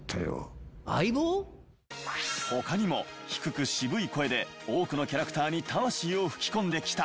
他にも低く渋い声で多くのキャラクターに魂を吹き込んできた。